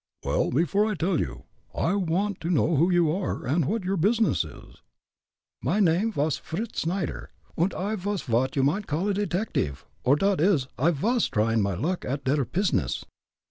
"Well, before I tell you, I want to know who you are, and what your business is?" "My name vos Fritz Snyder, und I vas vot you might call a detective or, dot is, I vas trying my luck at der pizness."